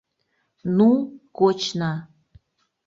Ну, кочна.